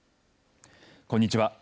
こんにちは。